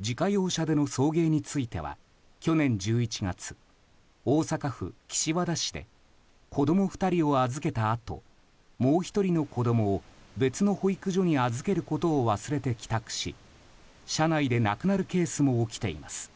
自家用車での送迎については去年１１月、大阪府岸和田市で子供２人を預けたあともう１人の子供を別の保育所に預けること忘れて帰宅し車内で亡くなるケースも起きています。